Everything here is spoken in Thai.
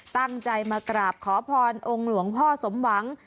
ตั้งใจมากราบขอพรองค์หลวงพ่อสมหวัง